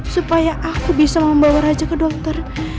supaya aku bisa membawa raja ke dokter